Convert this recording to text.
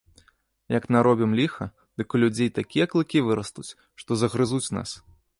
Як наробім ліха, дык у людзей такія клыкі вырастуць, што загрызуць нас.